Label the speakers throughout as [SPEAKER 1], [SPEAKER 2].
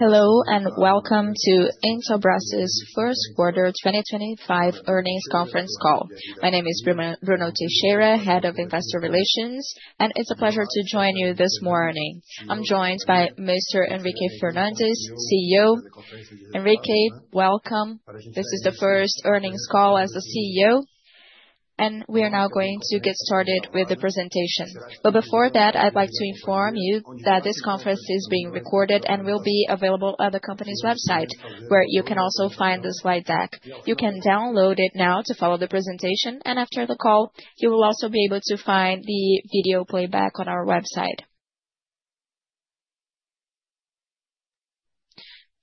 [SPEAKER 1] Hello and welcome to Intelbras's first quarter 2025 earnings conference call. My name is Bruno Teixeira, Head of Investor Relations, and it's a pleasure to join you this morning. I'm joined by Mr. Henrique Fernandez, CEO. Henrique, welcome. This is the first earnings call as a CEO, and we are now going to get started with the presentation. Before that, I'd like to inform you that this conference is being recorded and will be available on the company's website, where you can also find the slide deck. You can download it now to follow the presentation, and after the call, you will also be able to find the video playback on our website.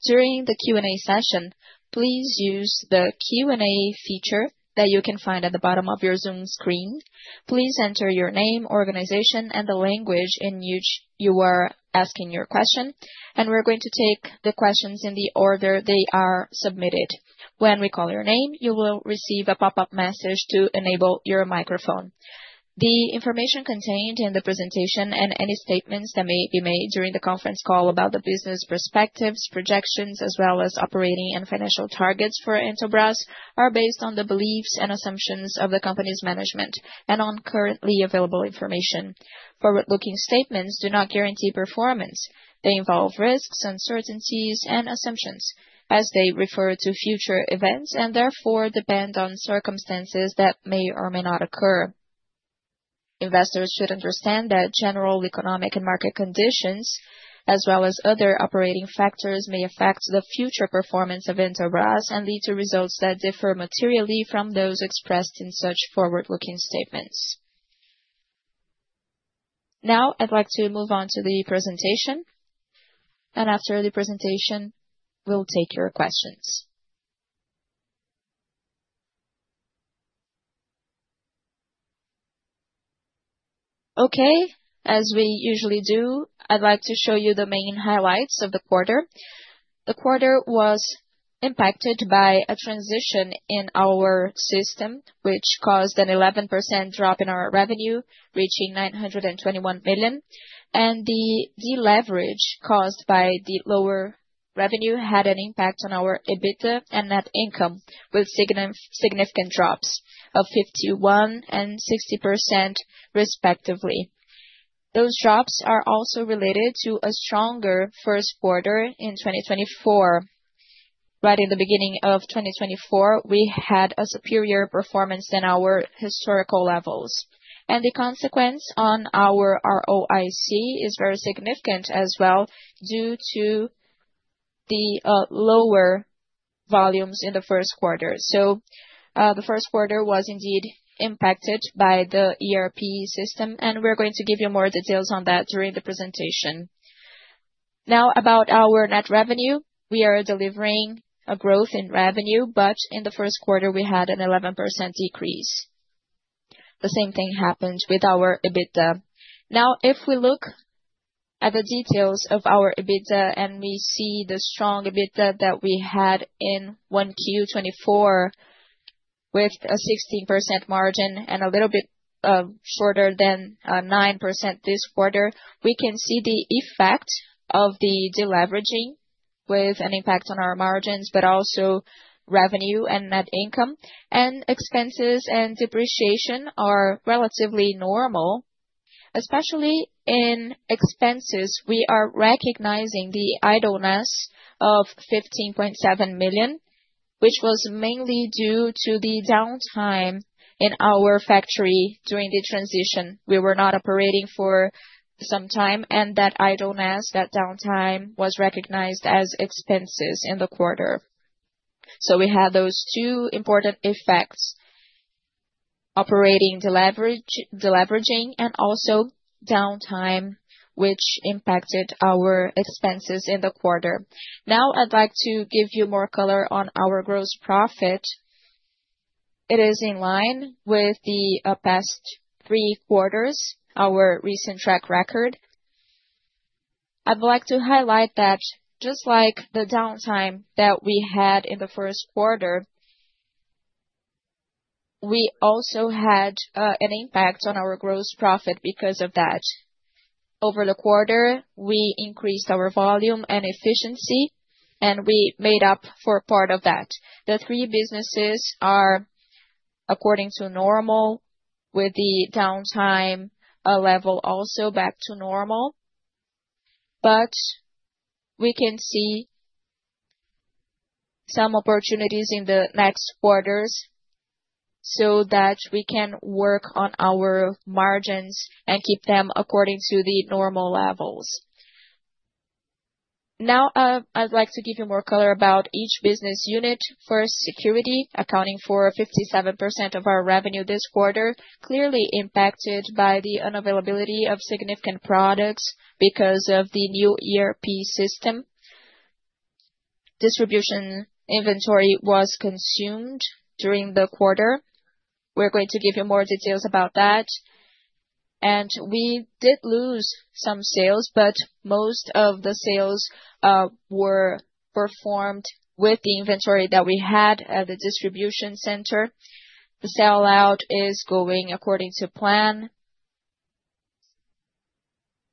[SPEAKER 1] During the Q&A session, please use the Q&A feature that you can find at the bottom of your Zoom screen. Please enter your name, organization, and the language in which you are asking your question, and we are going to take the questions in the order they are submitted. When we call your name, you will receive a pop-up message to enable your microphone. The information contained in the presentation and any statements that may be made during the conference call about the business perspectives, projections, as well as operating and financial targets for Intelbras, are based on the beliefs and assumptions of the company's management and on currently available information. Forward-looking statements do not guarantee performance. They involve risks, uncertainties, and assumptions, as they refer to future events and therefore depend on circumstances that may or may not occur. Investors should understand that general economic and market conditions, as well as other operating factors, may affect the future performance of Intelbras and lead to results that differ materially from those expressed in such forward-looking statements. Now, I'd like to move on to the presentation, and after the presentation, we'll take your questions. Okay, as we usually do, I'd like to show you the main highlights of the quarter. The quarter was impacted by a transition in our system, which caused an 11% drop in our revenue, reaching 921 million, and the deleverage caused by the lower revenue had an impact on our EBITDA and net income with significant drops of 51% and 60%, respectively. Those drops are also related to a stronger first quarter in 2024. Right in the beginning of 2024, we had a superior performance than our historical levels, and the consequence on our ROIC is very significant as well due to the lower volumes in the first quarter. The first quarter was indeed impacted by the ERP system, and we're going to give you more details on that during the presentation. Now, about our net revenue, we are delivering a growth in revenue, but in the first quarter, we had an 11% decrease. The same thing happened with our EBITDA. Now, if we look at the details of our EBITDA and we see the strong EBITDA that we had in Q2 with a 16% margin and a little bit shorter than 9% this quarter, we can see the effect of the deleveraging with an impact on our margins, but also revenue and net income, and expenses and depreciation are relatively normal. Especially in expenses, we are recognizing the idleness of 15.7 million, which was mainly due to the downtime in our factory during the transition. We were not operating for some time, and that idleness, that downtime, was recognized as expenses in the quarter. We had those two important effects: operating deleveraging and also downtime, which impacted our expenses in the quarter. Now, I'd like to give you more color on our gross profit. It is in line with the past three quarters, our recent track record. I'd like to highlight that just like the downtime that we had in the first quarter, we also had an impact on our gross profit because of that. Over the quarter, we increased our volume and efficiency, and we made up for part of that. The three businesses are, according to normal, with the downtime level also back to normal, but we can see some opportunities in the next quarters so that we can work on our margins and keep them according to the normal levels. Now, I'd like to give you more color about each business unit. First, security, accounting for 57% of our revenue this quarter, clearly impacted by the unavailability of significant products because of the new ERP system. Distribution inventory was consumed during the quarter. We're going to give you more details about that. We did lose some sales, but most of the sales were performed with the inventory that we had at the distribution center. The sell-out is going according to plan,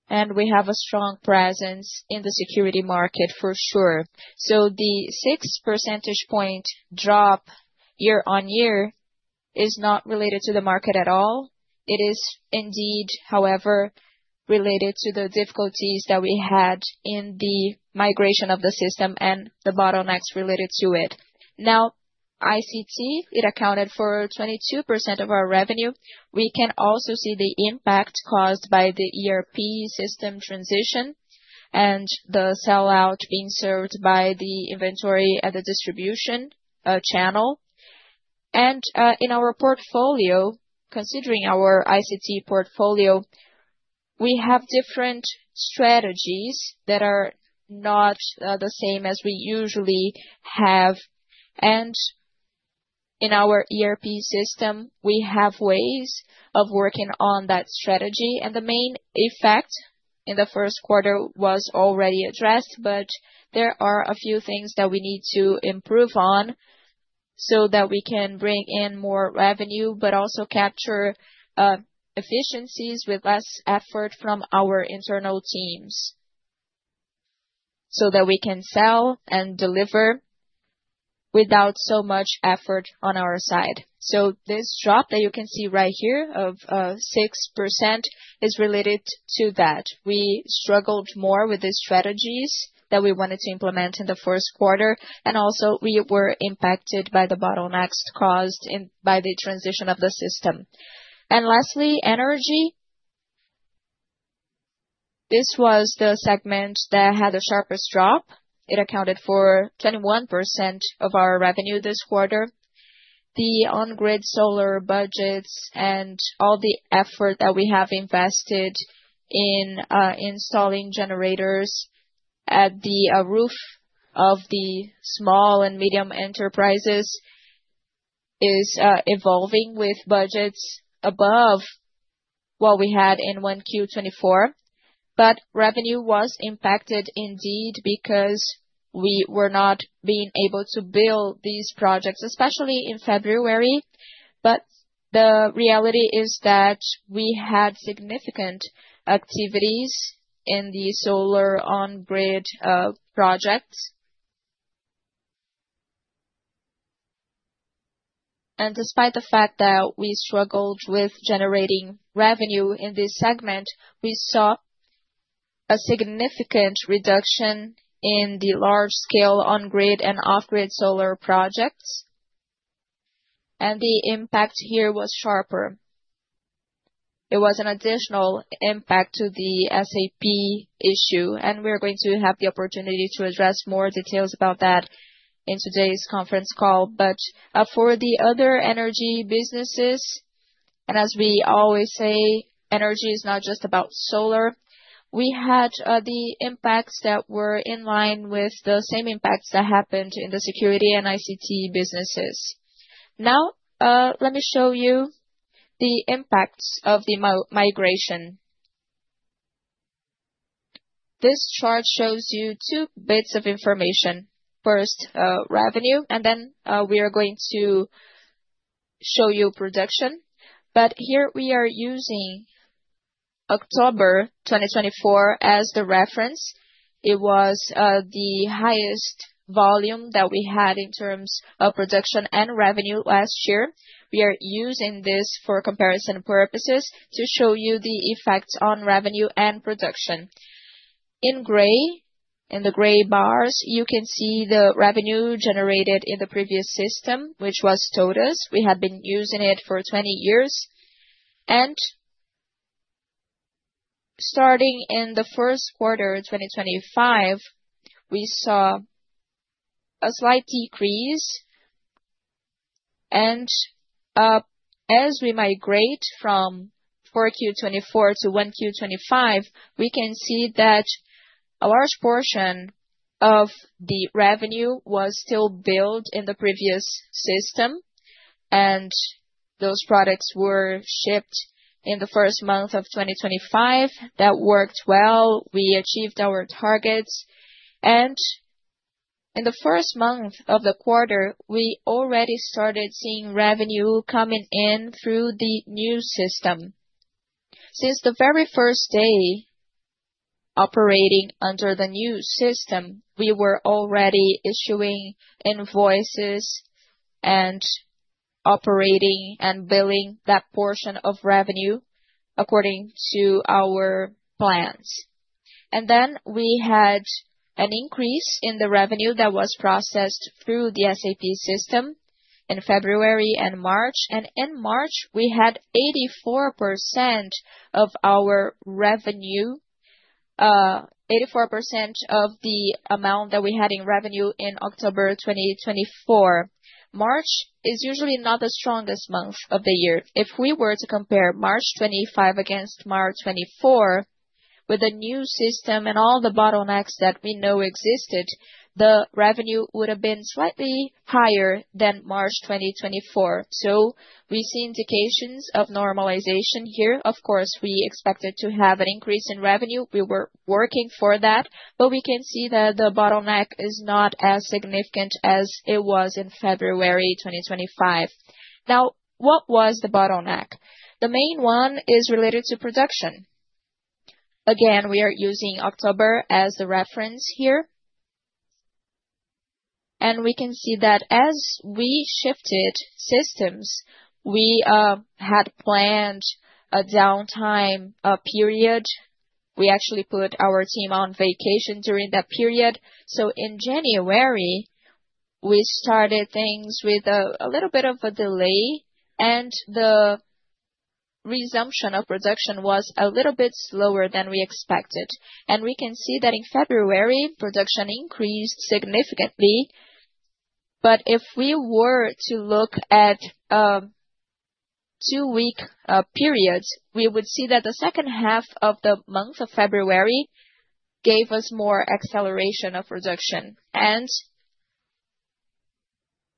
[SPEAKER 1] and we have a strong presence in the security market for sure. The 6 percentage point drop year on year is not related to the market at all. It is indeed, however, related to the difficulties that we had in the migration of the system and the bottlenecks related to it. Now, ICT, it accounted for 22% of our revenue. We can also see the impact caused by the ERP system transition and the sell-out being served by the inventory at the distribution channel. In our portfolio, considering our ICT portfolio, we have different strategies that are not the same as we usually have. In our ERP system, we have ways of working on that strategy, and the main effect in the first quarter was already addressed, but there are a few things that we need to improve on so that we can bring in more revenue, but also capture efficiencies with less effort from our internal teams so that we can sell and deliver without so much effort on our side. This drop that you can see right here of 6% is related to that. We struggled more with the strategies that we wanted to implement in the first quarter, and also we were impacted by the bottlenecks caused by the transition of the system. Lastly, energy. This was the segment that had the sharpest drop. It accounted for 21% of our revenue this quarter. The on-grid solar budgets and all the effort that we have invested in installing generators at the roof of the small and medium enterprises is evolving with budgets above what we had in 1Q 2024. Revenue was impacted indeed because we were not being able to build these projects, especially in February. The reality is that we had significant activities in the solar on-grid projects. Despite the fact that we struggled with generating revenue in this segment, we saw a significant reduction in the large-scale on-grid and off-grid solar projects, and the impact here was sharper. It was an additional impact to the SAP issue, and we're going to have the opportunity to address more details about that in today's conference call. For the other energy businesses, and as we always say, energy is not just about solar, we had the impacts that were in line with the same impacts that happened in the security and ICT businesses. Now, let me show you the impacts of the migration. This chart shows you two bits of information. First, revenue, and then we are going to show you production. Here we are using October 2024 as the reference. It was the highest volume that we had in terms of production and revenue last year. We are using this for comparison purposes to show you the effects on revenue and production. In gray, in the gray bars, you can see the revenue generated in the previous system, which was TOTVS. We had been using it for 20 years. Starting in the first quarter 2025, we saw a slight decrease. As we migrate from 4Q 2024 to 1Q 2025, we can see that a large portion of the revenue was still billed in the previous system, and those products were shipped in the first month of 2025. That worked well. We achieved our targets. In the first month of the quarter, we already started seeing revenue coming in through the new system. Since the very first day operating under the new system, we were already issuing invoices and operating and billing that portion of revenue according to our plans. We had an increase in the revenue that was processed through the SAP system in February and March. In March, we had 84% of our revenue, 84% of the amount that we had in revenue in October 2024. March is usually not the strongest month of the year. If we were to compare March 2025 against March 2024 with the new system and all the bottlenecks that we know existed, the revenue would have been slightly higher than March 2024. We see indications of normalization here. Of course, we expected to have an increase in revenue. We were working for that, but we can see that the bottleneck is not as significant as it was in February 2025. Now, what was the bottleneck? The main one is related to production. Again, we are using October as the reference here. We can see that as we shifted systems, we had planned a downtime period. We actually put our team on vacation during that period. In January, we started things with a little bit of a delay, and the resumption of production was a little bit slower than we expected. We can see that in February, production increased significantly. If we were to look at two-week periods, we would see that the second half of the month of February gave us more acceleration of production.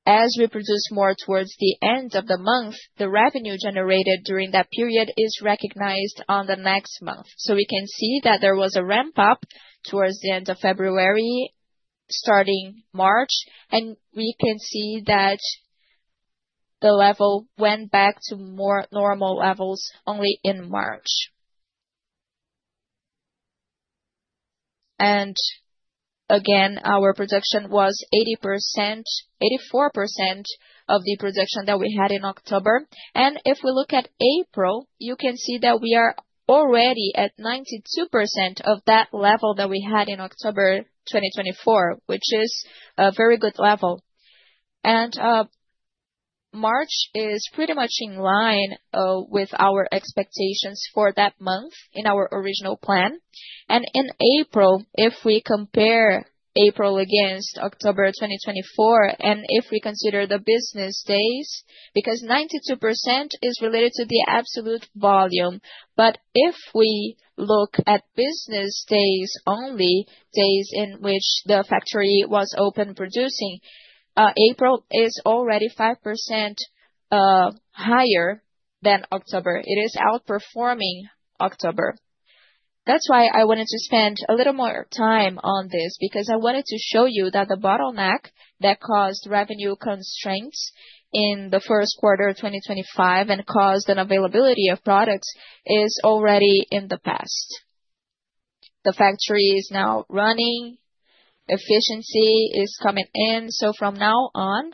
[SPEAKER 1] As we produce more towards the end of the month, the revenue generated during that period is recognized in the next month. We can see that there was a ramp-up towards the end of February, starting March, and we can see that the level went back to more normal levels only in March. Again, our production was 80%-84% of the production that we had in October. If we look at April, you can see that we are already at 92% of that level that we had in October 2024, which is a very good level. March is pretty much in line with our expectations for that month in our original plan. In April, if we compare April against October 2024, and if we consider the business days, because 92% is related to the absolute volume, but if we look at business days only, days in which the factory was open producing, April is already 5% higher than October. It is outperforming October. That is why I wanted to spend a little more time on this, because I wanted to show you that the bottleneck that caused revenue constraints in the first quarter of 2025 and caused an availability of products is already in the past. The factory is now running. Efficiency is coming in. From now on,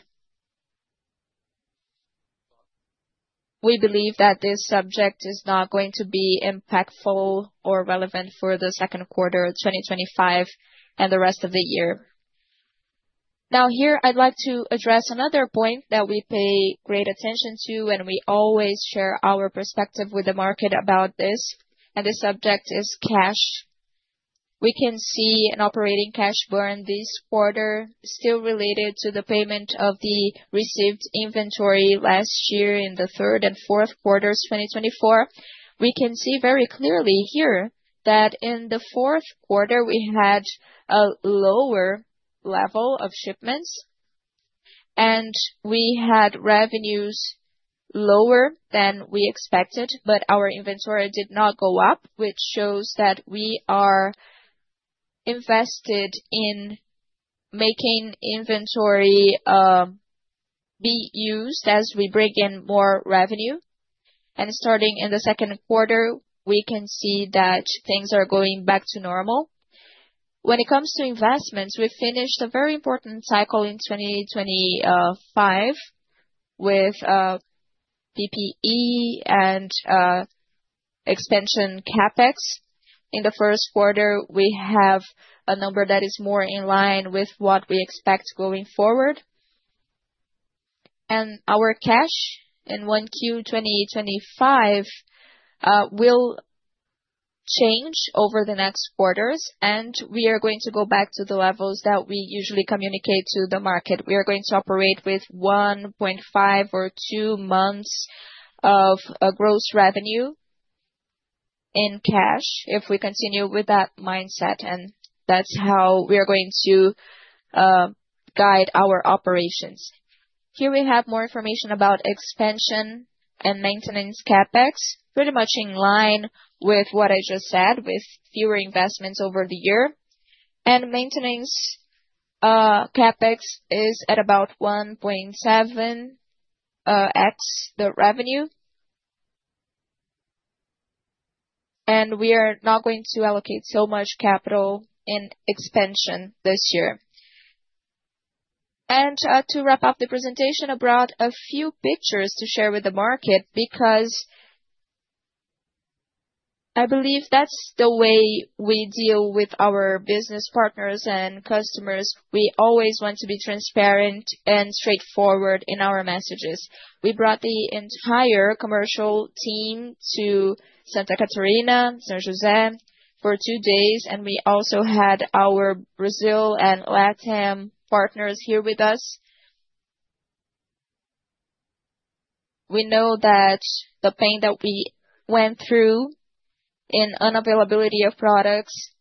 [SPEAKER 1] we believe that this subject is not going to be impactful or relevant for the second quarter of 2025 and the rest of the year. Now, here I'd like to address another point that we pay great attention to, and we always share our perspective with the market about this, and the subject is cash. We can see an operating cash burn this quarter still related to the payment of the received inventory last year in the third and fourth quarters 2024. We can see very clearly here that in the fourth quarter, we had a lower level of shipments, and we had revenues lower than we expected, but our inventory did not go up, which shows that we are invested in making inventory be used as we bring in more revenue. Starting in the second quarter, we can see that things are going back to normal. When it comes to investments, we finished a very important cycle in 2025 with PPE and expansion CapEx. In the first quarter, we have a number that is more in line with what we expect going forward. Our cash in Q2 2025 will change over the next quarters, and we are going to go back to the levels that we usually communicate to the market. We are going to operate with 1.5-2 months of gross revenue in cash if we continue with that mindset, and that is how we are going to guide our operations. Here we have more information about expansion and maintenance CapEx, pretty much in line with what I just said, with fewer investments over the year. Maintenance CapEx is at about 1.7x the revenue. We are not going to allocate so much capital in expansion this year. To wrap up the presentation, I brought a few pictures to share with the market because I believe that's the way we deal with our business partners and customers. We always want to be transparent and straightforward in our messages. We brought the entire commercial team to Santa Catarina, São José, for two days, and we also had our Brazil and Latin partners here with us. We know that the pain that we went through in unavailability of products,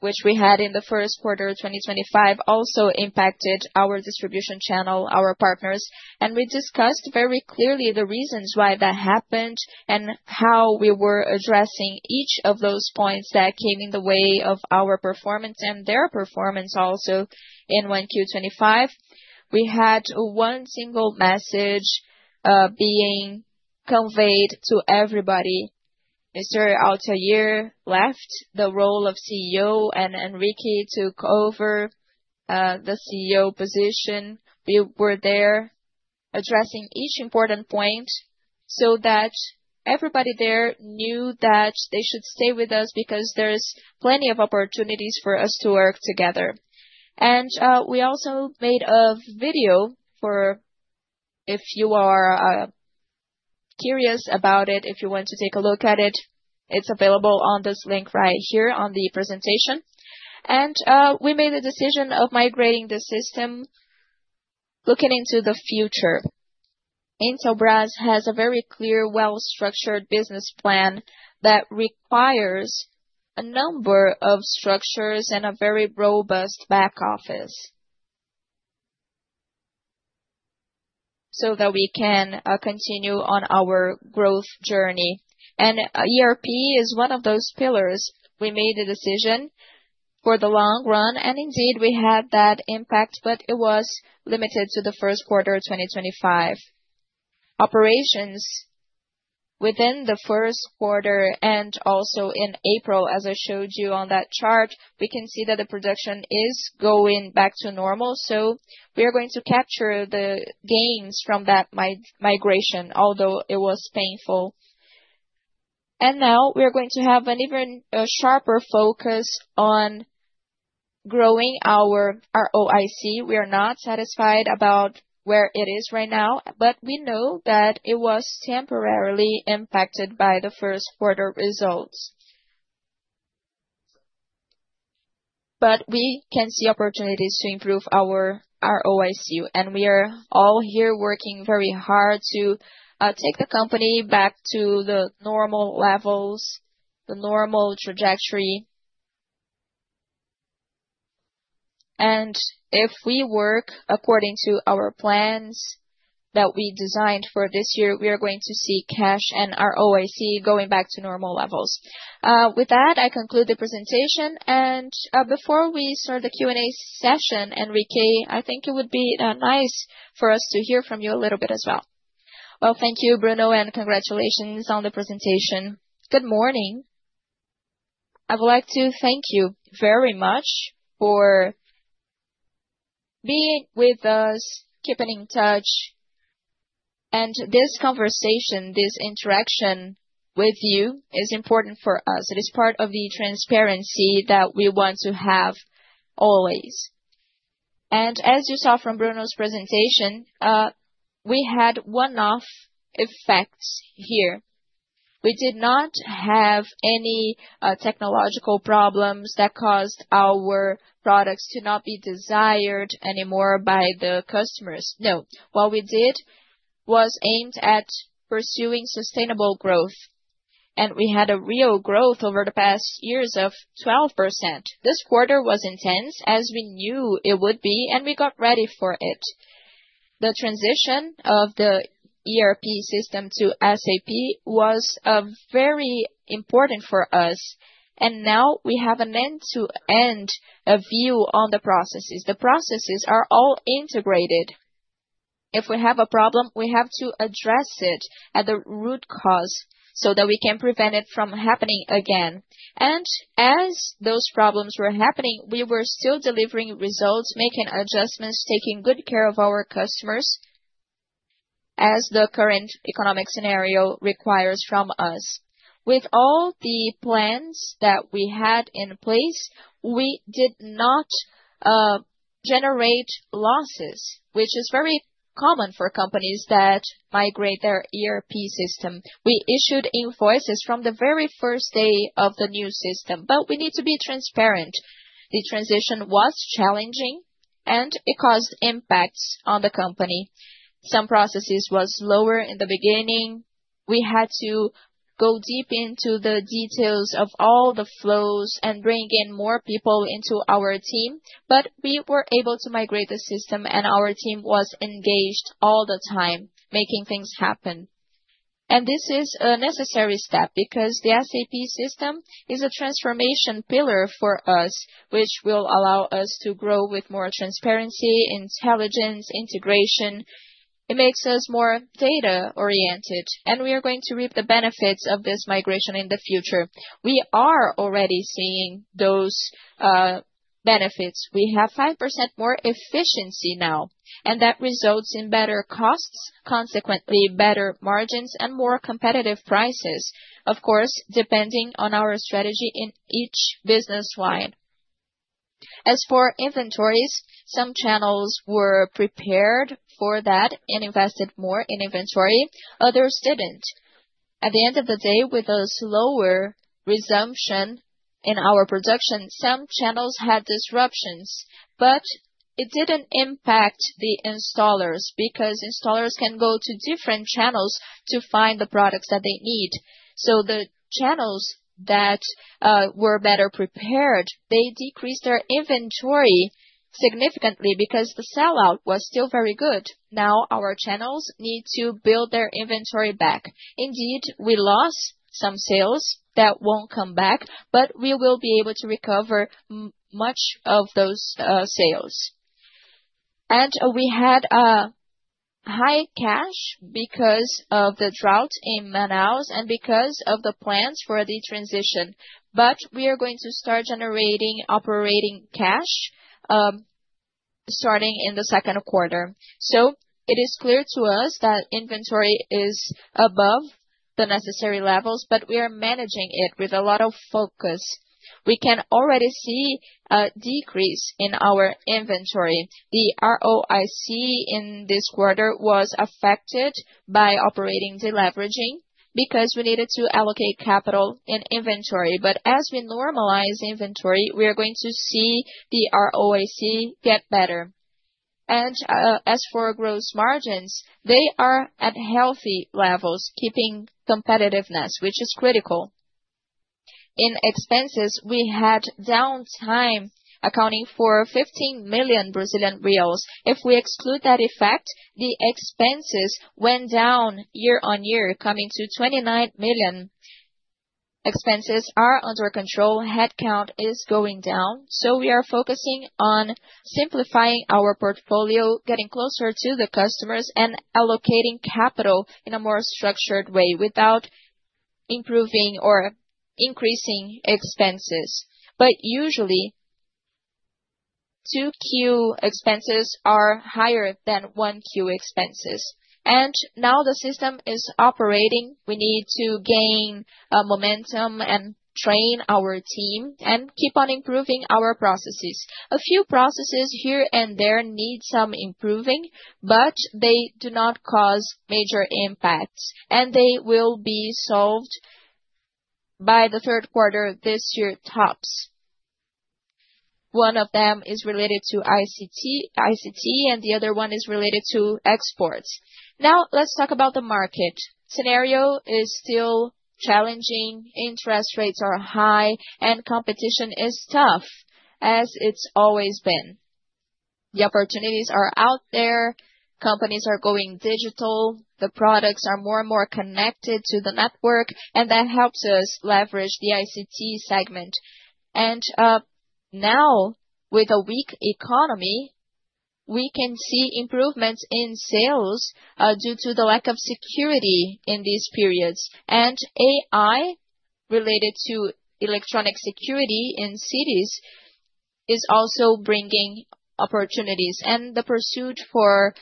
[SPEAKER 1] which we had in the first quarter of 2025, also impacted our distribution channel, our partners. We discussed very clearly the reasons why that happened and how we were addressing each of those points that came in the way of our performance and their performance also in Q2. We had one single message being conveyed to everybody. Mr. Altair left the role of CEO, and Henrique took over the CEO position. We were there addressing each important point so that everybody there knew that they should stay with us because there's plenty of opportunities for us to work together. We also made a video for if you are curious about it, if you want to take a look at it, it's available on this link right here on the presentation. We made a decision of migrating the system, looking into the future. Intelbras has a very clear, well-structured business plan that requires a number of structures and a very robust back office so that we can continue on our growth journey. ERP is one of those pillars. We made a decision for the long run, and indeed we had that impact, but it was limited to the first quarter of 2025. Operations within the first quarter and also in April, as I showed you on that chart, we can see that the production is going back to normal. We are going to capture the gains from that migration, although it was painful. Now we're going to have an even sharper focus on growing our ROIC. We are not satisfied about where it is right now, but we know that it was temporarily impacted by the first quarter results. We can see opportunities to improve our ROIC, and we are all here working very hard to take the company back to the normal levels, the normal trajectory. If we work according to our plans that we designed for this year, we are going to see cash and ROIC going back to normal levels. With that, I conclude the presentation. Before we start the Q&A session, Henrique, I think it would be nice for us to hear from you a little bit as well. Thank you, Bruno, and congratulations on the presentation. Good morning. I would like to thank you very much for being with us, keeping in touch. This conversation, this interaction with you is important for us. It is part of the transparency that we want to have always. As you saw from Bruno's presentation, we had one-off effects here. We did not have any technological problems that caused our products to not be desired anymore by the customers. No. What we did was aimed at pursuing sustainable growth, and we had a real growth over the past years of 12%. This quarter was intense, as we knew it would be, and we got ready for it. The transition of the ERP system to SAP was very important for us, and now we have an end-to-end view on the processes. The processes are all integrated. If we have a problem, we have to address it at the root cause so that we can prevent it from happening again. As those problems were happening, we were still delivering results, making adjustments, taking good care of our customers as the current economic scenario requires from us. With all the plans that we had in place, we did not generate losses, which is very common for companies that migrate their ERP system. We issued invoices from the very first day of the new system, but we need to be transparent. The transition was challenging, and it caused impacts on the company. Some processes were slower in the beginning. We had to go deep into the details of all the flows and bring in more people into our team, but we were able to migrate the system, and our team was engaged all the time, making things happen. This is a necessary step because the SAP system is a transformation pillar for us, which will allow us to grow with more transparency, intelligence, integration. It makes us more data-oriented, and we are going to reap the benefits of this migration in the future. We are already seeing those benefits. We have 5% more efficiency now, and that results in better costs, consequently better margins, and more competitive prices, of course, depending on our strategy in each business line. As for inventories, some channels were prepared for that and invested more in inventory. Others did not. At the end of the day, with a slower resumption in our production, some channels had disruptions, but it did not impact the installers because installers can go to different channels to find the products that they need. The channels that were better prepared decreased their inventory significantly because the sellout was still very good. Now our channels need to build their inventory back. Indeed, we lost some sales that will not come back, but we will be able to recover much of those sales. We had high cash because of the drought in Manaus and because of the plans for the transition. We are going to start generating operating cash starting in the second quarter. It is clear to us that inventory is above the necessary levels, but we are managing it with a lot of focus. We can already see a decrease in our inventory. The ROIC in this quarter was affected by operating deleveraging because we needed to allocate capital in inventory. As we normalize inventory, we are going to see the ROIC get better. As for gross margins, they are at healthy levels, keeping competitiveness, which is critical. In expenses, we had downtime accounting for 15 million Brazilian reais. If we exclude that effect, the expenses went down year on year, coming to 29 million. Expenses are under control. Headcount is going down. We are focusing on simplifying our portfolio, getting closer to the customers, and allocating capital in a more structured way without improving or increasing expenses. Usually, 2Q expenses are higher than 1Q expenses. Now the system is operating. We need to gain momentum and train our team and keep on improving our processes. A few processes here and there need some improving, but they do not cause major impacts, and they will be solved by the third quarter this year tops. One of them is related to ICT, and the other one is related to exports. Now let's talk about the market. Scenario is still challenging. Interest rates are high, and competition is tough, as it's always been. The opportunities are out there. Companies are going digital. The products are more and more connected to the network, and that helps us leverage the ICT segment. Now, with a weak economy, we can see improvements in sales due to the lack of security in these periods. AI related to electronic security in cities is also bringing opportunities. The pursuit for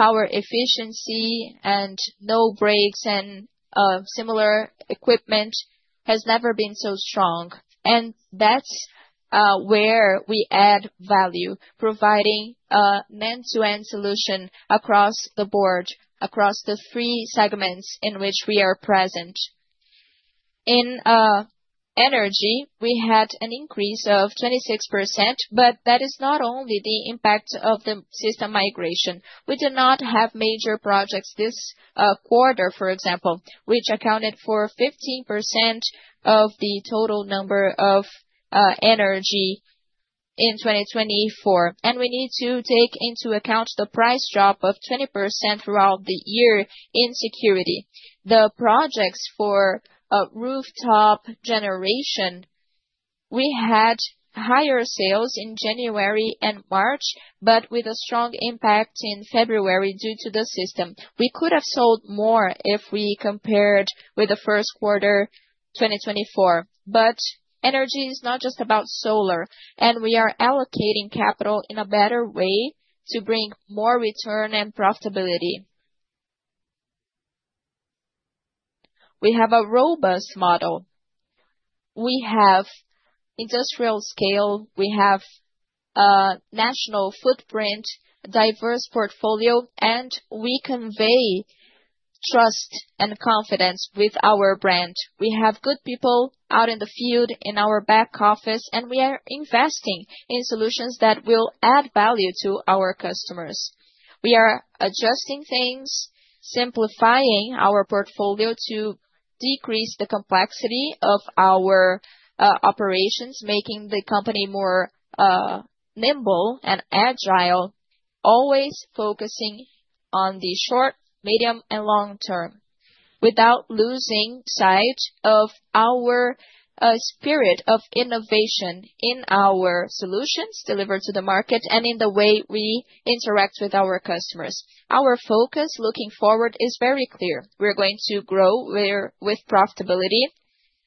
[SPEAKER 1] power efficiency and Nobreaks and similar equipment has never been so strong. That is where we add value, providing an end-to-end solution across the board, across the three segments in which we are present. In energy, we had an increase of 26%, but that is not only the impact of the system migration. We did not have major projects this quarter, for example, which accounted for 15% of the total number of energy in 2024. We need to take into account the price drop of 20% throughout the year in security. The projects for rooftop generation, we had higher sales in January and March, but with a strong impact in February due to the system. We could have sold more if we compared with the first quarter 2024. Energy is not just about solar, and we are allocating capital in a better way to bring more return and profitability. We have a robust model. We have industrial scale. We have a national footprint, a diverse portfolio, and we convey trust and confidence with our brand. We have good people out in the field, in our back office, and we are investing in solutions that will add value to our customers. We are adjusting things, simplifying our portfolio to decrease the complexity of our operations, making the company more nimble and agile, always focusing on the short, medium, and long term without losing sight of our spirit of innovation in our solutions delivered to the market and in the way we interact with our customers. Our focus looking forward is very clear. We're going to grow with profitability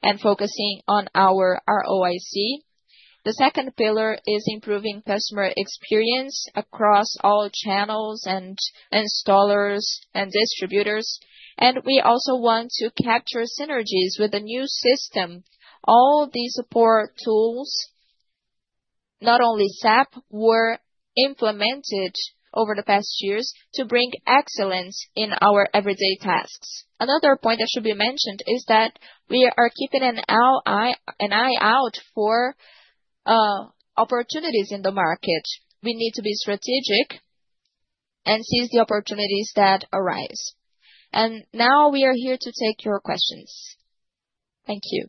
[SPEAKER 1] and focusing on our ROIC. The second pillar is improving customer experience across all channels and installers and distributors. We also want to capture synergies with the new system. All these support tools, not only SAP, were implemented over the past years to bring excellence in our everyday tasks. Another point that should be mentioned is that we are keeping an eye out for opportunities in the market. We need to be strategic and seize the opportunities that arise. Now we are here to take your questions. Thank you.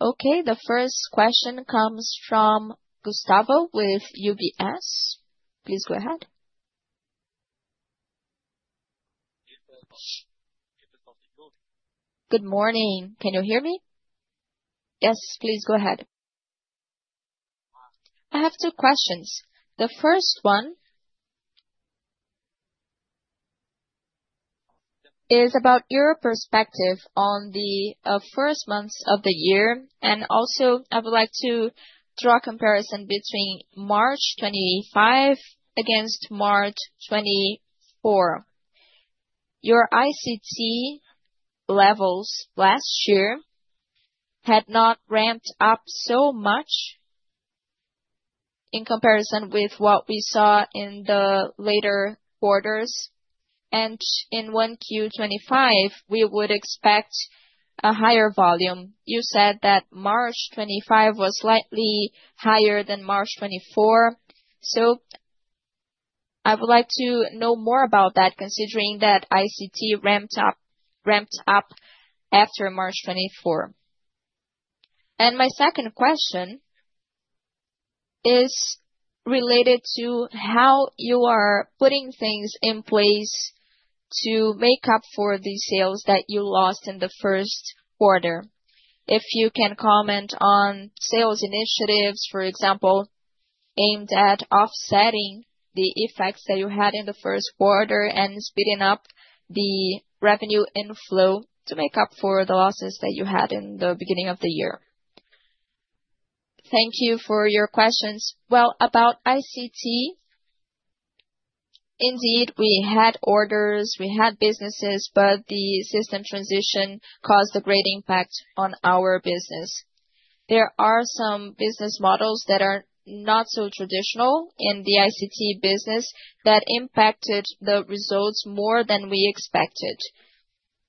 [SPEAKER 1] Okay, the first question comes from Gustavo with UBS. Please go ahead. Good morning. Can you hear me? Yes, please go ahead. I have two questions. The first one is about your perspective on the first months of the year. Also, I would like to draw a comparison between March 2025 against March 2024. Your ICT levels last year had not ramped up so much in comparison with what we saw in the later quarters. In 1Q 2025, we would expect a higher volume. You said that March 2025 was slightly higher than March 2024. I would like to know more about that, considering that ICT ramped up after March 2024. My second question is related to how you are putting things in place to make up for the sales that you lost in the first quarter. If you can comment on sales initiatives, for example, aimed at offsetting the effects that you had in the first quarter and speeding up the revenue inflow to make up for the losses that you had in the beginning of the year. Thank you for your questions. About ICT, indeed, we had orders, we had businesses, but the system transition caused a great impact on our business. There are some business models that are not so traditional in the ICT business that impacted the results more than we expected.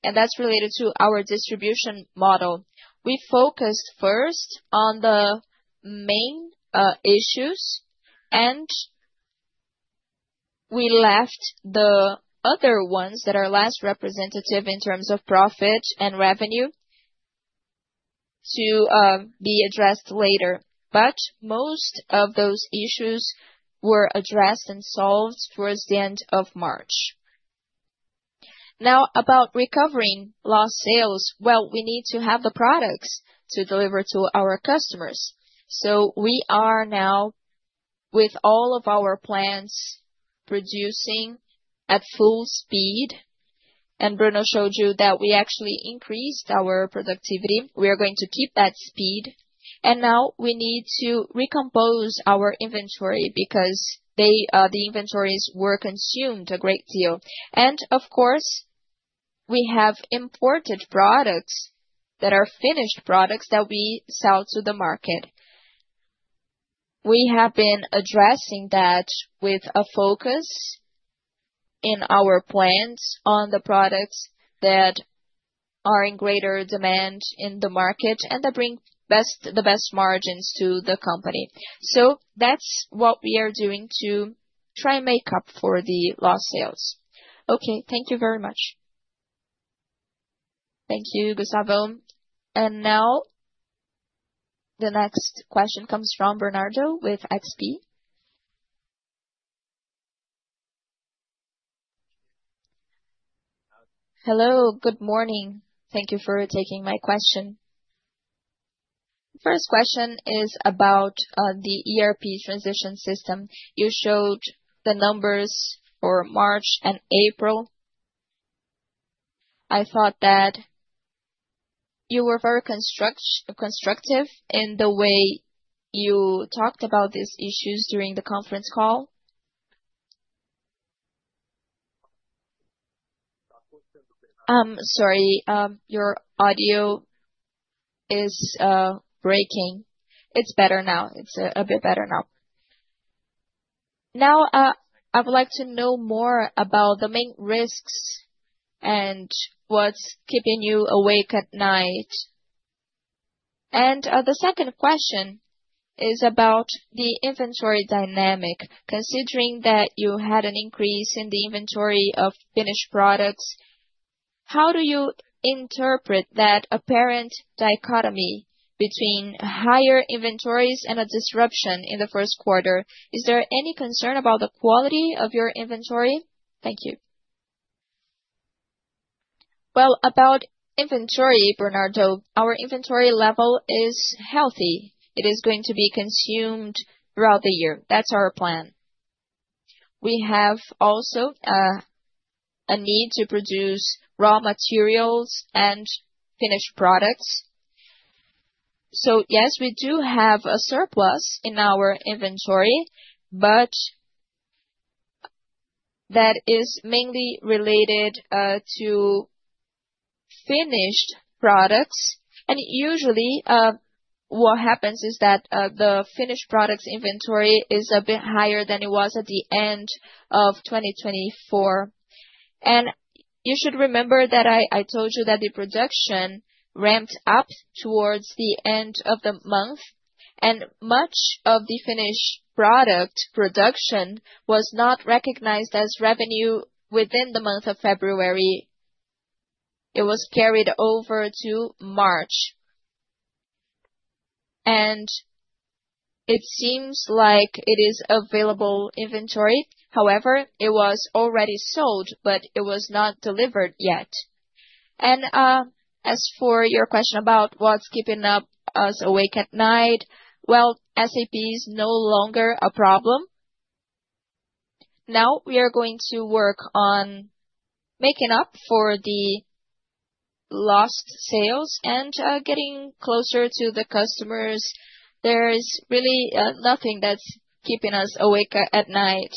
[SPEAKER 1] That is related to our distribution model. We focused first on the main issues, and we left the other ones that are less representative in terms of profit and revenue to be addressed later. Most of those issues were addressed and solved towards the end of March. Now, about recovering lost sales, we need to have the products to deliver to our customers. We are now, with all of our plants producing at full speed, and Bruno showed you that we actually increased our productivity. We are going to keep that speed. Now we need to recompose our inventory because the inventories were consumed a great deal. Of course, we have imported products that are finished products that we sell to the market. We have been addressing that with a focus in our plans on the products that are in greater demand in the market and that bring the best margins to the company. That is what we are doing to try and make up for the lost sales. Okay, thank you very much. Thank you, Gustavo. Now the next question comes from Bernardo with XP. Hello, good morning. Thank you for taking my question. The first question is about the ERP transition system. You showed the numbers for March and April. I thought that you were very constructive in the way you talked about these issues during the conference call. Sorry, your audio is breaking. It is better now. It is a bit better now. Now, I would like to know more about the main risks and what is keeping you awake at night. The second question is about the inventory dynamic. Considering that you had an increase in the inventory of finished products, how do you interpret that apparent dichotomy between higher inventories and a disruption in the first quarter? Is there any concern about the quality of your inventory? Thank you. About inventory, Bernardo, our inventory level is healthy. It is going to be consumed throughout the year. That is our plan. We have also a need to produce raw materials and finished products. Yes, we do have a surplus in our inventory, but that is mainly related to finished products. Usually, what happens is that the finished products inventory is a bit higher than it was at the end of 2024. You should remember that I told you that the production ramped up towards the end of the month, and much of the finished product production was not recognized as revenue within the month of February. It was carried over to March. It seems like it is available inventory. However, it was already sold, but it was not delivered yet. As for your question about what is keeping us awake at night, SAP is no longer a problem. Now we are going to work on making up for the lost sales and getting closer to the customers. There is really nothing that is keeping us awake at night.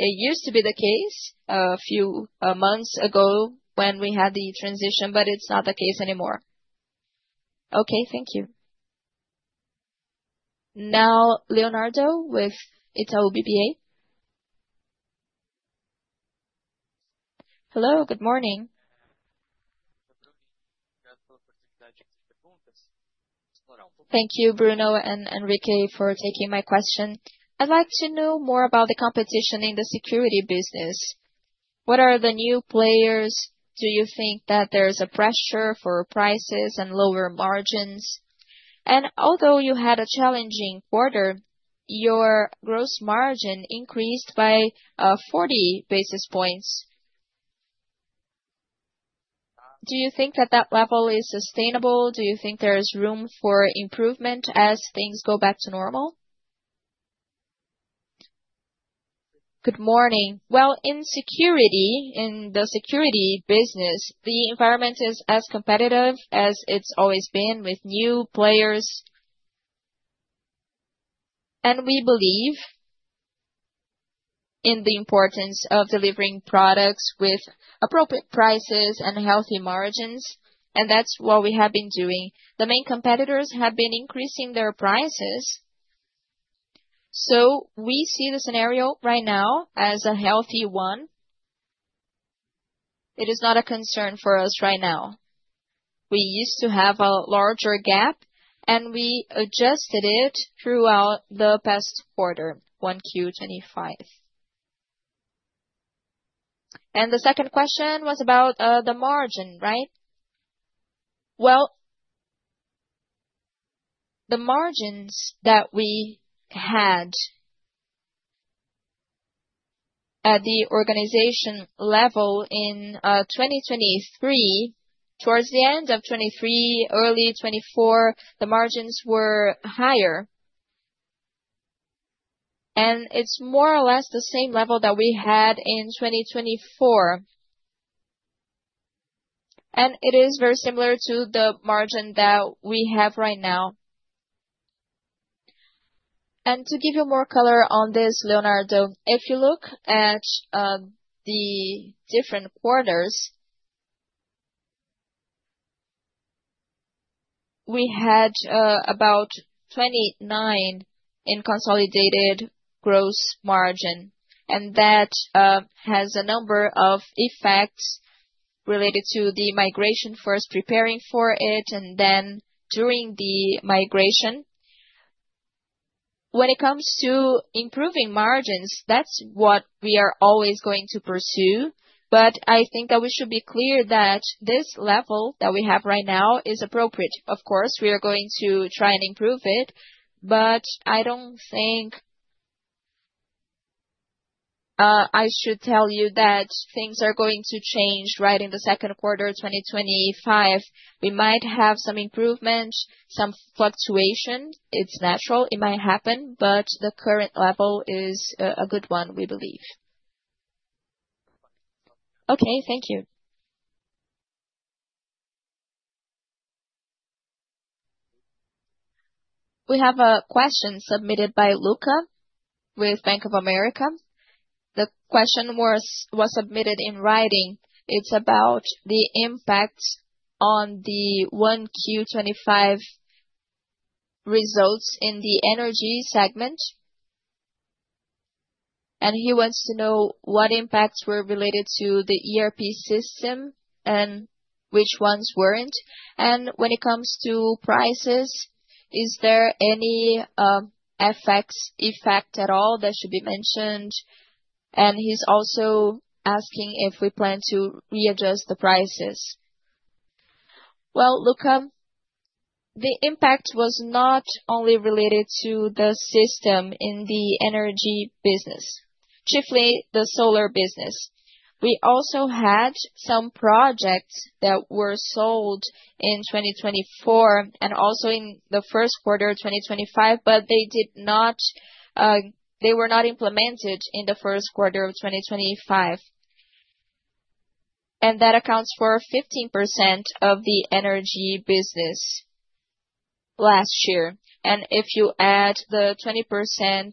[SPEAKER 1] It used to be the case a few months ago when we had the transition, but it is not the case anymore. Okay, thank you. Now, Leonardo with Itaú BBA. Hello, good morning. Thank you, Bruno and Henrique, for taking my question. I would like to know more about the competition in the security business. What are the new players? Do you think that there is a pressure for prices and lower margins? Although you had a challenging quarter, your gross margin increased by 40 basis points. Do you think that that level is sustainable? Do you think there is room for improvement as things go back to normal? Good morning. In security, in the security business, the environment is as competitive as it has always been with new players. We believe in the importance of delivering products with appropriate prices and healthy margins. That is what we have been doing. The main competitors have been increasing their prices. We see the scenario right now as a healthy one. It is not a concern for us right now. We used to have a larger gap, and we adjusted it throughout the past quarter, 1Q 2025. The second question was about the margin, right? The margins that we had at the organization level in 2023, towards the end of 2023, early 2024, the margins were higher. It is more or less the same level that we had in 2024. It is very similar to the margin that we have right now. To give you more color on this, Leonardo, if you look at the different quarters, we had about 29% in consolidated gross margin. That has a number of effects related to the migration first, preparing for it, and then during the migration. When it comes to improving margins, that is what we are always going to pursue. I think that we should be clear that this level that we have right now is appropriate. Of course, we are going to try and improve it, but I do not think I should tell you that things are going to change right in the second quarter of 2025. We might have some improvement, some fluctuation. It is natural. It might happen, but the current level is a good one, we believe. Okay, thank you. We have a question submitted by Luca with Bank of America. The question was submitted in writing. It is about the impact on the 1Q 2025 results in the energy segment. He wants to know what impacts were related to the ERP system and which ones were not. When it comes to prices, is there any effect at all that should be mentioned? He is also asking if we plan to readjust the prices. Luca, the impact was not only related to the system in the energy business, chiefly the solar business. We also had some projects that were sold in 2024 and also in the first quarter of 2025, but they were not implemented in the first quarter of 2025. That accounts for 15% of the energy business last year. If you add the 20%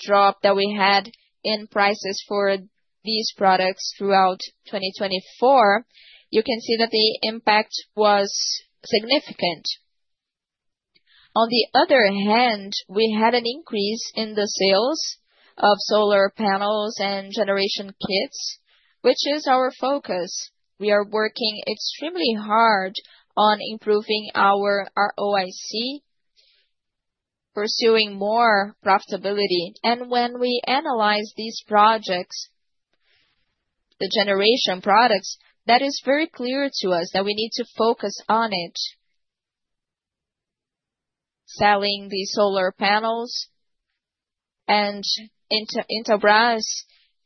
[SPEAKER 1] drop that we had in prices for these products throughout 2024, you can see that the impact was significant. On the other hand, we had an increase in the sales of solar panels and generation kits, which is our focus. We are working extremely hard on improving our ROIC, pursuing more profitability. When we analyze these projects, the generation products, that is very clear to us that we need to focus on it. Selling the solar panels and Intelbras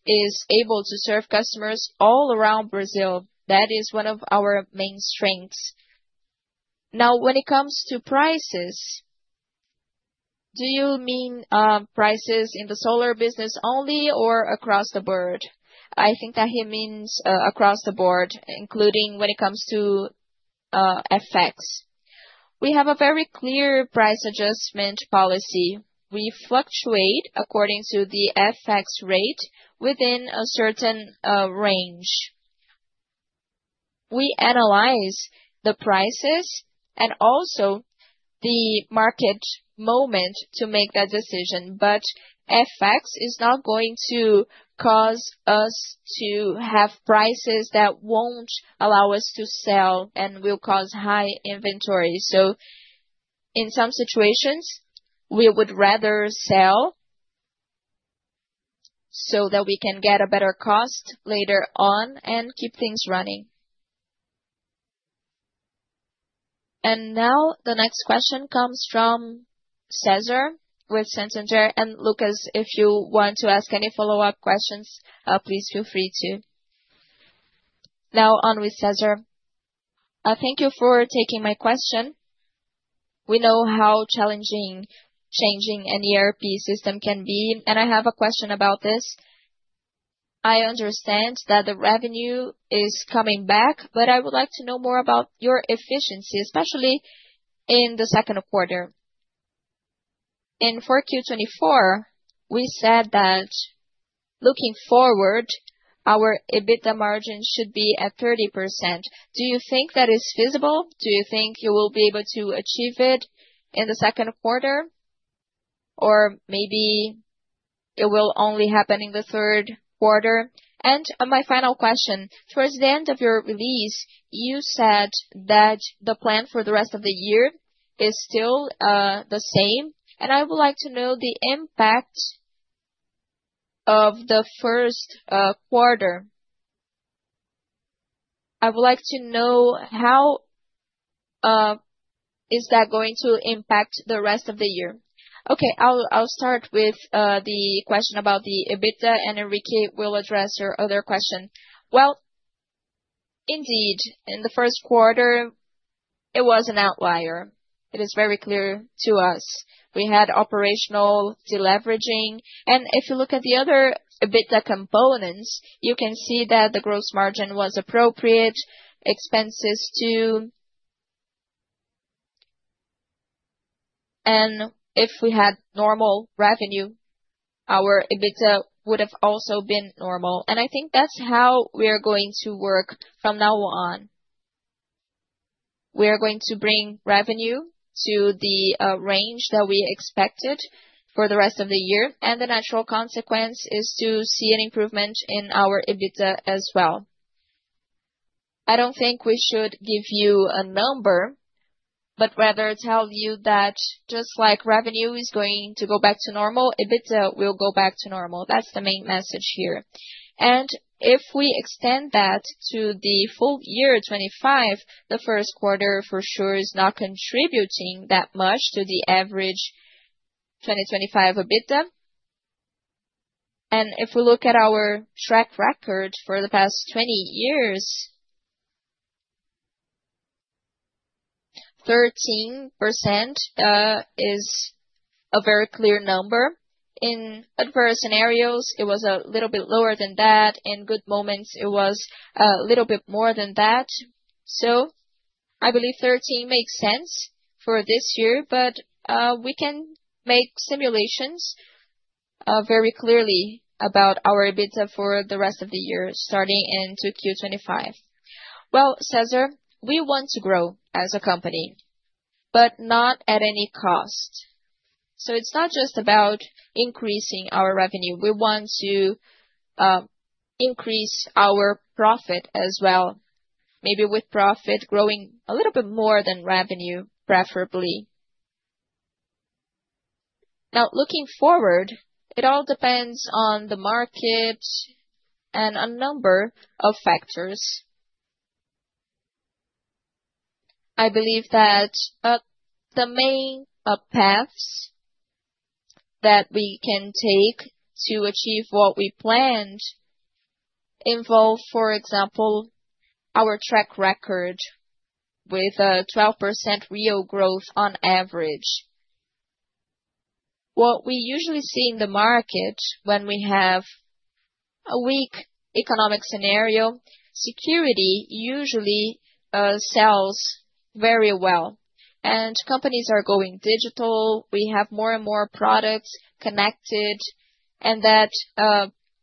[SPEAKER 1] is able to serve customers all around Brazil. That is one of our main strengths. Now, when it comes to prices, do you mean prices in the solar business only or across the board? I think that he means across the board, including when it comes to FX. We have a very clear price adjustment policy. We fluctuate according to the FX rate within a certain range. We analyze the prices and also the market moment to make that decision. FX is not going to cause us to have prices that will not allow us to sell and will cause high inventory. In some situations, we would rather sell so that we can get a better cost later on and keep things running. The next question comes from Cesar with Sensinger. Lucas, if you want to ask any follow-up questions, please feel free to. On with Cesar. Thank you for taking my question. We know how challenging changing an ERP system can be. I have a question about this. I understand that the revenue is coming back, but I would like to know more about your efficiency, especially in the second quarter. In 4Q 2024, we said that looking forward, our EBITDA margin should be at 30%. Do you think that is feasible? Do you think you will be able to achieve it in the second quarter? Maybe it will only happen in the third quarter. My final question. Towards the end of your release, you said that the plan for the rest of the year is still the same. I would like to know the impact of the first quarter. I would like to know how is that going to impact the rest of the year. Okay, I'll start with the question about the EBITDA, and Henrique will address your other question. Indeed, in the first quarter, it was an outlier. It is very clear to us. We had operational deleveraging. If you look at the other EBITDA components, you can see that the gross margin was appropriate, expenses too. If we had normal revenue, our EBITDA would have also been normal. I think that's how we are going to work from now on. We are going to bring revenue to the range that we expected for the rest of the year. The natural consequence is to see an improvement in our EBITDA as well. I don't think we should give you a number, but rather tell you that just like revenue is going to go back to normal, EBITDA will go back to normal. That's the main message here. If we extend that to the full year 2025, the first quarter for sure is not contributing that much to the average 2025 EBITDA. If we look at our track record for the past 20 years, 13% is a very clear number. In adverse scenarios, it was a little bit lower than that. In good moments, it was a little bit more than that. I believe 13% makes sense for this year, but we can make simulations very clearly about our EBITDA for the rest of the year starting into Q25. Cesar, we want to grow as a company, but not at any cost. It is not just about increasing our revenue. We want to increase our profit as well, maybe with profit growing a little bit more than revenue, preferably. Now, looking forward, it all depends on the market and a number of factors. I believe that the main paths that we can take to achieve what we planned involve, for example, our track record with a 12% real growth on average. What we usually see in the market when we have a weak economic scenario, security usually sells very well. Companies are going digital. We have more and more products connected, and that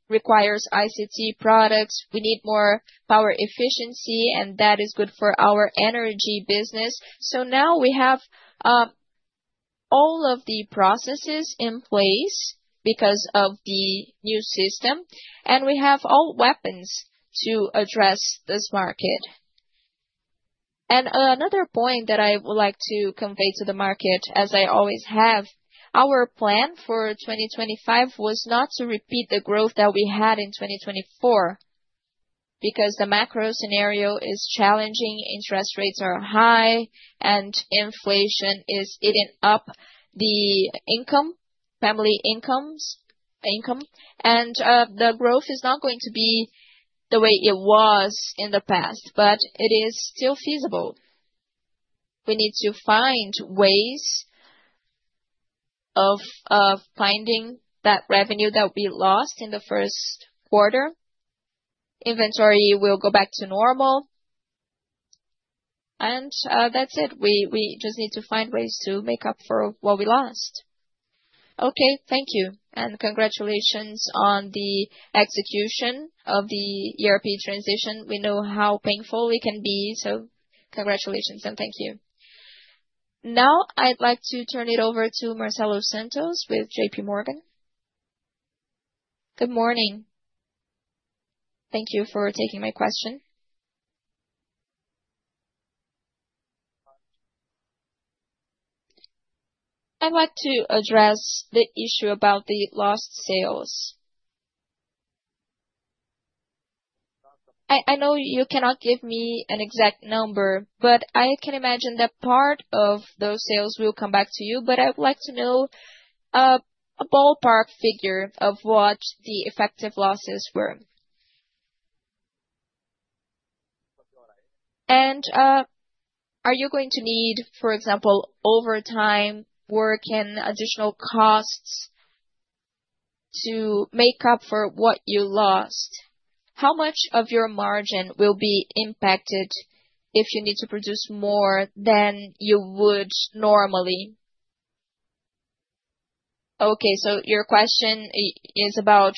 [SPEAKER 1] requires ICT products. We need more power efficiency, and that is good for our energy business. Now we have all of the processes in place because of the new system, and we have all weapons to address this market. Another point that I would like to convey to the market, as I always have, our plan for 2025 was not to repeat the growth that we had in 2024 because the macro scenario is challenging. Interest rates are high, and inflation is eating up the income, family income. The growth is not going to be the way it was in the past, but it is still feasible. We need to find ways of finding that revenue that we lost in the first quarter. Inventory will go back to normal. That is it. We just need to find ways to make up for what we lost. Okay, thank you. Congratulations on the execution of the ERP transition. We know how painful it can be. Congratulations and thank you. Now, I'd like to turn it over to Marcelo Santos with JP Morgan. Good morning. Thank you for taking my question. I'd like to address the issue about the lost sales. I know you cannot give me an exact number, but I can imagine that part of those sales will come back to you. I would like to know a ballpark figure of what the effective losses were. Are you going to need, for example, overtime work and additional costs to make up for what you lost? How much of your margin will be impacted if you need to produce more than you would normally? Your question is about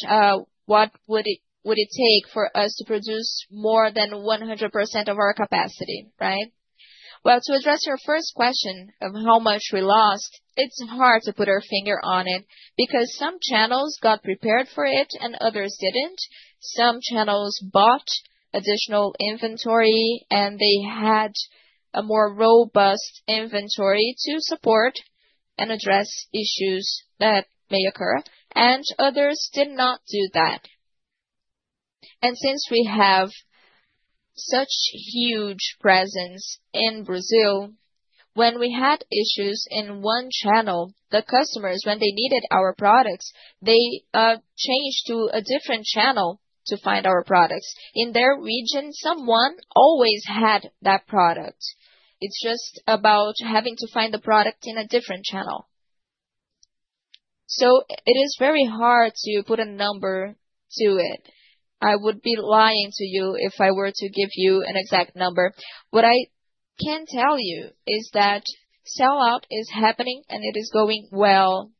[SPEAKER 1] what would it take for us to produce more than 100% of our capacity, right? To address your first question of how much we lost, it's hard to put our finger on it because some channels got prepared for it and others did not. Some channels bought additional inventory, and they had a more robust inventory to support and address issues that may occur. Others did not do that. Since we have such huge presence in Brazil, when we had issues in one channel, the customers, when they needed our products, they changed to a different channel to find our products. In their region, someone always had that product. It is just about having to find the product in a different channel. It is very hard to put a number to it. I would be lying to you if I were to give you an exact number. What I can tell you is that sellout is happening, and it is going well.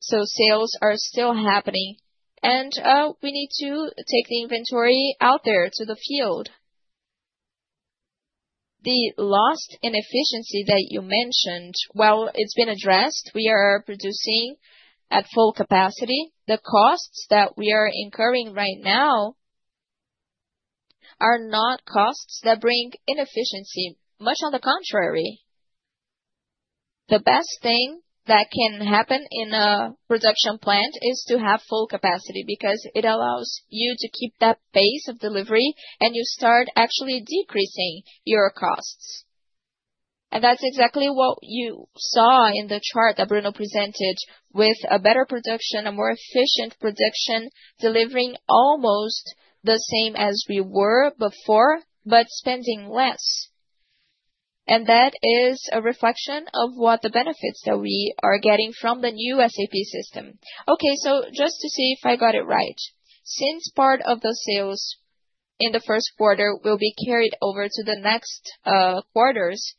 [SPEAKER 1] Sales are still happening, and we need to take the inventory out there to the field. The lost inefficiency that you mentioned, it has been addressed. We are producing at full capacity. The costs that we are incurring right now are not costs that bring inefficiency. Much on the contrary. The best thing that can happen in a production plant is to have full capacity because it allows you to keep that pace of delivery, and you start actually decreasing your costs. That is exactly what you saw in the chart that Bruno presented with a better production, a more efficient production, delivering almost the same as we were before, but spending less. That is a reflection of what the benefits that we are getting from the new SAP system. Okay, just to see if I got it right. Since part of the sales in the first quarter will be carried over to the next quarters,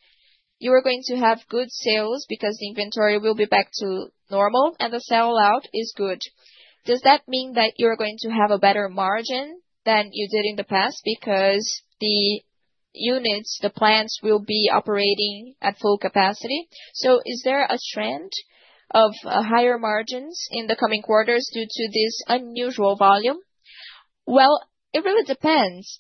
[SPEAKER 1] you are going to have good sales because the inventory will be back to normal, and the sellout is good. Does that mean that you are going to have a better margin than you did in the past because the units, the plants will be operating at full capacity? Is there a trend of higher margins in the coming quarters due to this unusual volume? It really depends.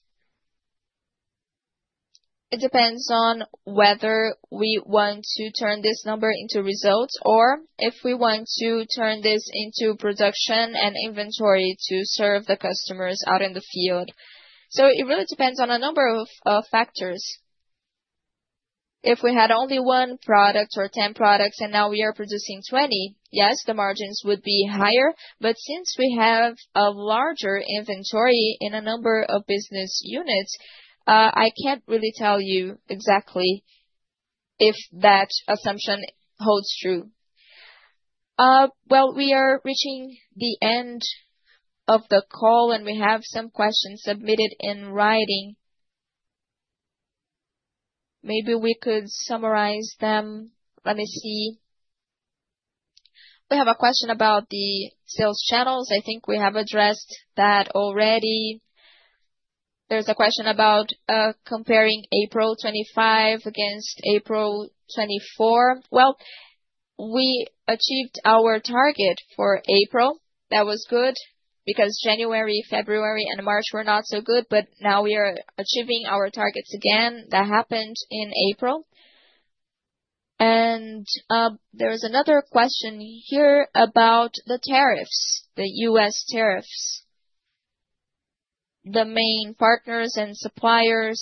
[SPEAKER 1] It depends on whether we want to turn this number into results or if we want to turn this into production and inventory to serve the customers out in the field. It really depends on a number of factors. If we had only one product or 10 products and now we are producing 20, yes, the margins would be higher. Since we have a larger inventory in a number of business units, I can't really tell you exactly if that assumption holds true. We are reaching the end of the call, and we have some questions submitted in writing. Maybe we could summarize them. Let me see. We have a question about the sales channels. I think we have addressed that already. There is a question about comparing April 2025 against April 2024. We achieved our target for April. That was good because January, February, and March were not so good, but now we are achieving our targets again. That happened in April. There is another question here about the tariffs, the US tariffs. The main partners and suppliers.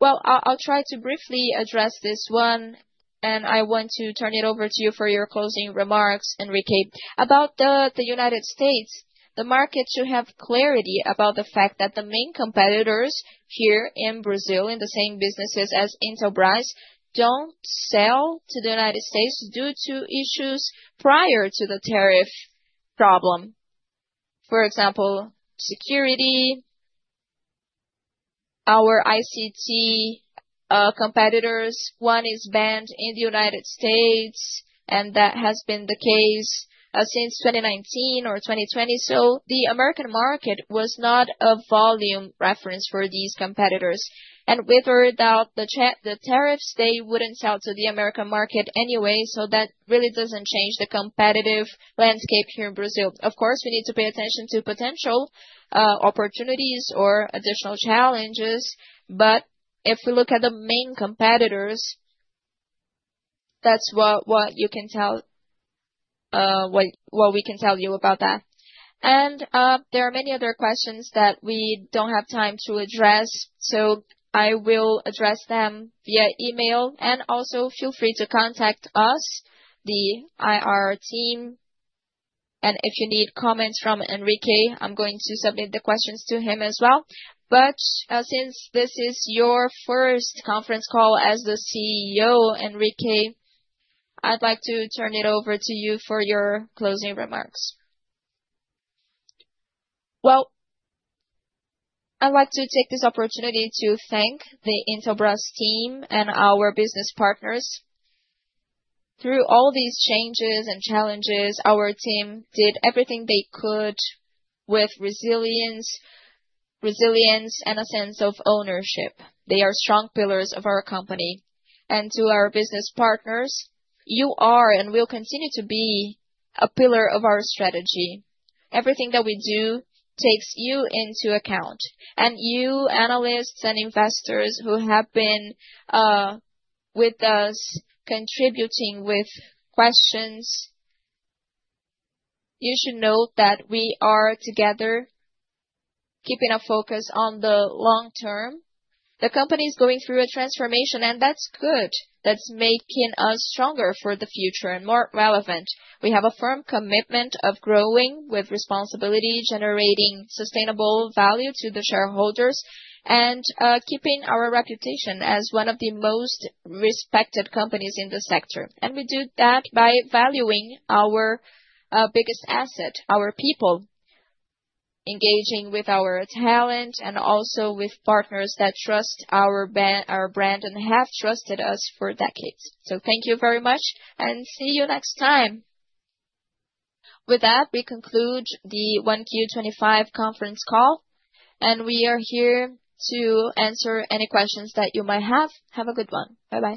[SPEAKER 1] I will try to briefly address this one, and I want to turn it over to you for your closing remarks, Henrique. About the United States, the market should have clarity about the fact that the main competitors here in Brazil, in the same businesses as Intelbras, do not sell to the United States due to issues prior to the tariff problem. For example, security. Our ICT competitors, one is banned in the United States, and that has been the case since 2019 or 2020. The American market was not a volume reference for these competitors. With or without the tariffs, they would not sell to the American market anyway. That really does not change the competitive landscape here in Brazil. Of course, we need to pay attention to potential opportunities or additional challenges. If we look at the main competitors, that is what you can tell, what we can tell you about that. There are many other questions that we do not have time to address. I will address them via email. Also, feel free to contact us, the IR team. If you need comments from Henrique, I am going to submit the questions to him as well. Since this is your first conference call as the CEO, Henrique, I would like to turn it over to you for your closing remarks. I would like to take this opportunity to thank the Intelbras team and our business partners. Through all these changes and challenges, our team did everything they could with resilience and a sense of ownership. They are strong pillars of our company. To our business partners, you are and will continue to be a pillar of our strategy. Everything that we do takes you into account. You, analysts and investors who have been with us, contributing with questions, should note that we are together keeping a focus on the long term. The company is going through a transformation, and that is good. That is making us stronger for the future and more relevant. We have a firm commitment of growing with responsibility, generating sustainable value to the shareholders, and keeping our reputation as one of the most respected companies in the sector. We do that by valuing our biggest asset, our people, engaging with our talent and also with partners that trust our brand and have trusted us for decades. Thank you very much, and see you next time. With that, we conclude the 1Q 2025 conference call, and we are here to answer any questions that you might have. Have a good one. Bye-bye.